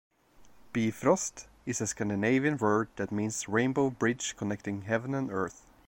Bifrost is a Scandinavian word that means "rainbow bridge connecting heaven and earth".